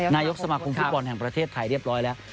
นายกสมาคมฟุตบอลแห่งประเทศไทยเรียบร้อยแล้ว